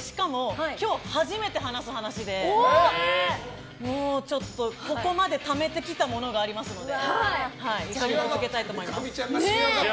しかも今日初めて話す話でここまでためてきたものがありますのででか美ちゃんが仕上がってる。